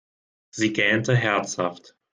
Sie gähnte herzhaft.